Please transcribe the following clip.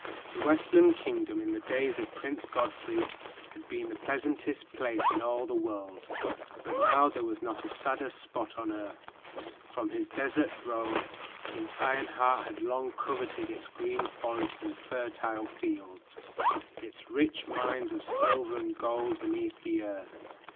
The Westland Kingdom, in the days of Prince Godfrey, had been the pleasantest place in all the world, but now there was not a sadder spot on earth. From his desert throne, King Ironheart had long coveted its great forests and fertile fields, its rich mines of silver and gold beneath the earth.